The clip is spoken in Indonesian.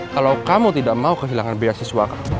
kalau kamu tidak mau kehilangan beasiswa